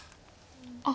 あっ。